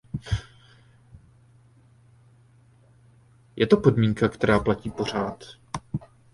Je to podmínka která platí pořád.